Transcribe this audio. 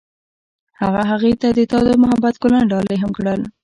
هغه هغې ته د تاوده محبت ګلان ډالۍ هم کړل.